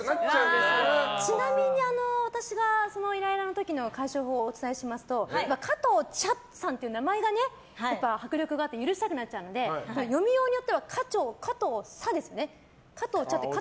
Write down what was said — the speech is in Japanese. ちなみに、私がそのイライラの時の解消法をお伝えしますと加藤茶さんという名前が迫力があって許したくなっちゃうので読みようによっては「かとうさ」ですよね。